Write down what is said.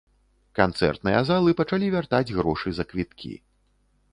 Канцэртныя залы пачалі вяртаць грошы за квіткі.